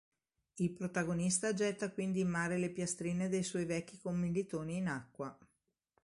Il protagonista getta quindi in mare le piastrine dei suoi vecchi commilitoni in acqua.